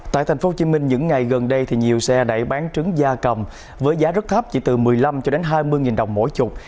tại tp hcm những ngày gần đây thì nhiều xe đẩy bán trứng da cầm với giá rất thấp chỉ từ một mươi năm cho đến hai mươi đồng mỗi chục